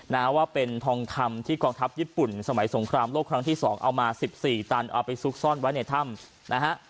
นะว่าเป็นทองคำที่กองทัพญี่ปุ่นสมัยสงครามโลกครั้งที่สองเอามาสิบสี่ตันเอาไปซุกซ่อนไว้ในถ้ำนะฮะ